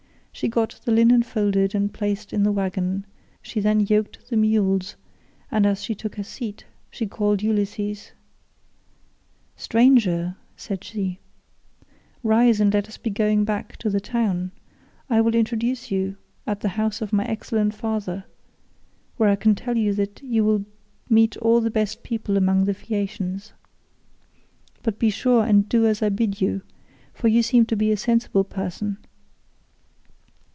She got the linen folded and placed in the waggon, she then yoked the mules, and, as she took her seat, she called Ulysses: "Stranger," said she, "rise and let us be going back to the town; I will introduce you at the house of my excellent father, where I can tell you that you will meet all the best people among the Phaeacians. But be sure and do as I bid you, for you seem to be a sensible person.